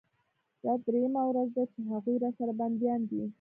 دا درېيمه ورځ ده چې هغوى راسره بنديان دي.